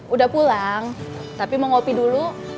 udah pulang tapi mau kopi dulu